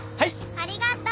ありがとう。